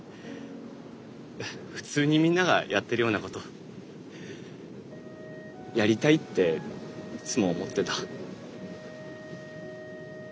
フツーにみんながやってるようなことやりたいっていつも思ってた。